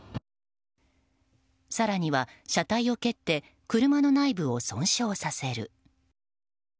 更には車体を蹴って車の内部を損傷させる。